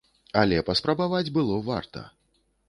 Але паспрабаваць было варта!